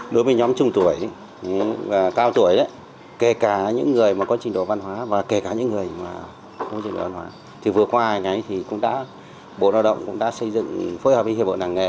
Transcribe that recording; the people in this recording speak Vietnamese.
đối với nhóm trung tuổi và cao tuổi kể cả những người có trình độ văn hóa và kể cả những người không có trình độ văn hóa vừa qua bộ lao động cũng đã xây dựng phối hợp với hiệp hội năng nghề